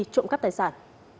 cung cấp tài sản